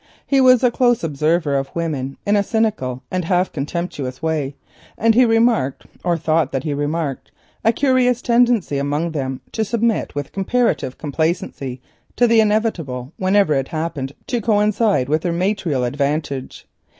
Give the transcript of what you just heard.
He was a close observer of women, in a cynical and half contemptuous way, and he remarked, or thought that he remarked, a curious tendency among them to submit with comparative complacency to the inevitable whenever it happened to coincide with their material advantage.